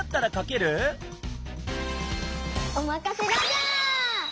おまかせラジャー！